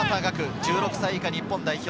１６歳以下日本代表。